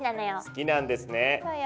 好きなんですね。